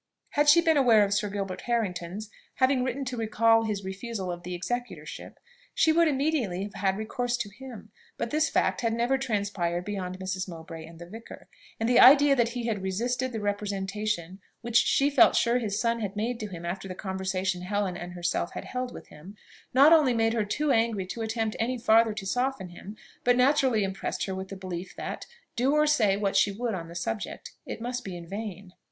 Had she been aware of Sir Gilbert Harrington's having written to recall his refusal of the executorship, she would immediately have had recourse to him; but this fact had never transpired beyond Mrs. Mowbray and the vicar; and the idea that he had resisted the representation which she felt sure his son had made to him after the conversation Helen and herself had held with him, not only made her too angry to attempt any farther to soften him, but naturally impressed her with the belief that, do or say what she would on the subject, it must be in vain.